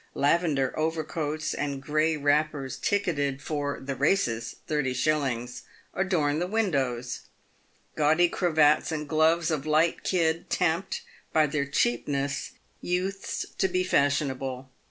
Lavender overcoats and grey wrappers ticketed " For the Eaces — 30s.," adorn the windows. Gaudy cravats and gloves of light kid tempt, by their cheapness, youths to be fashionable.